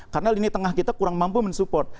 karena lini tengah kita kurang mampu mensupport